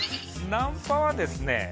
ナンパはですね